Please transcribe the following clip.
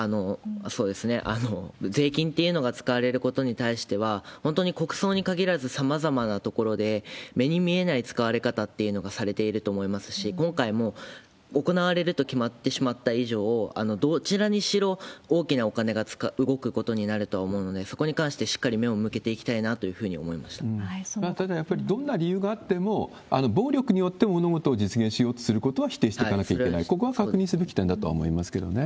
税金っていうのが使われることに対しては、本当に国葬に限らず、さまざまなところで目に見えない使われ方っていうのがされていると思いますし、今回も行われると決まってしまった以上、どちらにしろ大きなお金が動くことになるとは思うので、そこに関してしっかり目を向けていきたいなというふうに思いましただ、どんな理由があっても、暴力によって物事を実現しようとすることは否定していかなきゃいけない、ここは確認すべき点だとは思いますけどね。